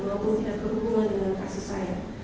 maupun tidak berhubungan dengan kasus saya